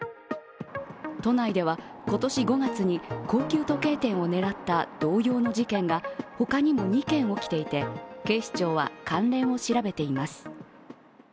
都内では今年５月に、高級時計店を狙った同様の事件が他にも２件起きていて警視庁は関連を調べています。